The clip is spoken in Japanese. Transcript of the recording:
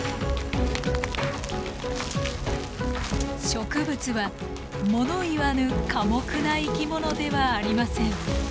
植物は物言わぬ寡黙な生き物ではありません。